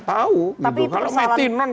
tahu kalau metinon